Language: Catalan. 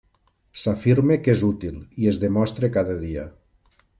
S'afirma que és útil, i es demostra cada dia.